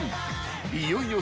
［いよいよ］